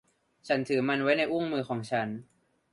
ฉันถือมันไว้ในอุ้งมือของฉัน